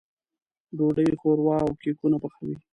ډوډۍ، ښوروا او کيکونه پخوي.